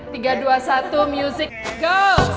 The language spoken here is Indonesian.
tiga dua satu music go